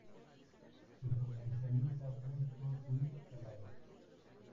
Se comercializa fresco y salado.